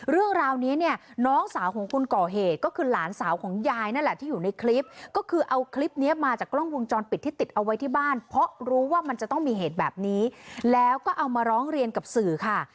เรื่องราวนี้เนี่ยน้องสาวของคนก่อเหตุก็คือหลานสาวของยายนั่นแหละที่อยู่ในคลิปก็คือเอาคลิปนี้มาจากกล้องวงจรปิดที่ติดเอาไว้ที่บ้านเพราะรู้ว่ามันจะต้องมีเหตุแบบนี้แล้วก็เอามาร้องเรียนกับสื่อค่ะ